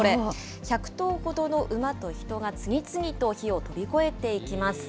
１００頭ほどの馬と人が次々と火を飛び越えていきます。